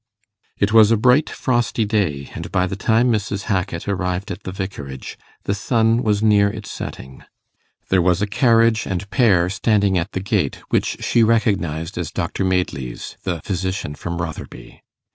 It was a bright frosty day, and by the time Mrs. Hackit arrived at the Vicarage, the sun was near its setting. There was a carriage and pair standing at the gate, which she recognized as Dr Madeley's, the physician from Rotherby.